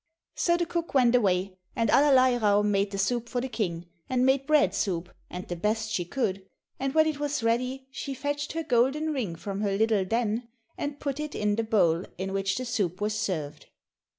So the cook went away, and Allerleirauh made the soup for the king, and made bread soup and the best she could, and when it was ready she fetched her golden ring from her little den, and put it in the bowl in which the soup was served.